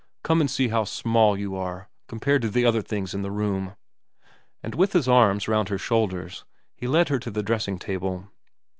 Come and see how small you are compared to the other things in the room.' And with his arms round her shoulders he led her to the dressing table.